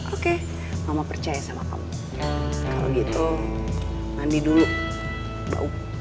oke mama percaya sama kamu kalau gitu mandi dulu bau